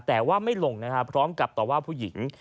แต่ว่าไม่ลงนะครับพร้อมกับต่อว่าผู้หญิง